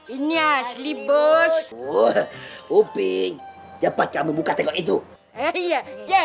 ini asli bos ubing cepat kamu buka tengok itu ya